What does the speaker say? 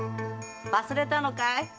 忘れたのかい？